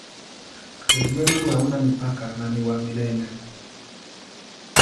Ulimwengu hauna mipaka na ni wa milele.